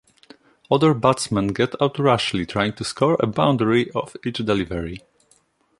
Other batsmen get out rashly trying to score a boundary off each delivery.